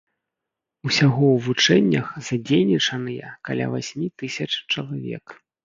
Усяго ў вучэннях задзейнічаныя каля васьмі тысяч чалавек.